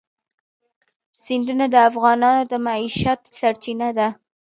سیندونه د افغانانو د معیشت سرچینه ده.